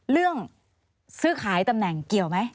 เรื่องซื้อขายตำแหน่งเกี่ยวไหม